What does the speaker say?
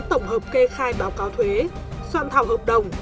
tổng hợp kê khai báo cáo thuế soạn thảo hợp đồng